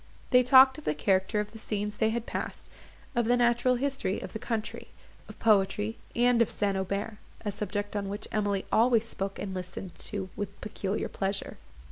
They talked of the character of the scenes they had passed, of the natural history of the country, of poetry, and of St. Aubert; a subject on which Emily always spoke and listened to with peculiar pleasure.